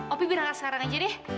opi bilang sekarang aja deh